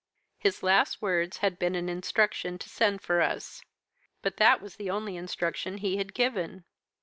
"'His last words had been an instruction to send for us; but that was the only instruction he had given.